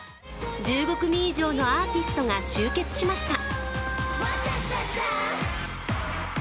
１５組以上のアーティストが集結しました。